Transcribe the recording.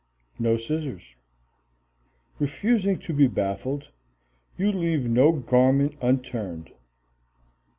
No scissors. Refusing to be baffled, you leave no garment unturned.